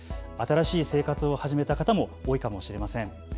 新しい生活を始めた方も多いかもしれません。